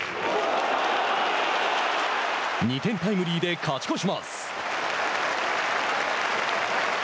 ２点タイムリーで勝ち越します。